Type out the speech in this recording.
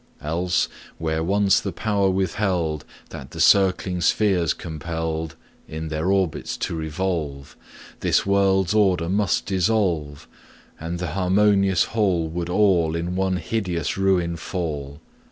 Else, were once the power withheld That the circling spheres compelled In their orbits to revolve, This world's order would dissolve, And th' harmonious whole would all In one hideous ruin fall.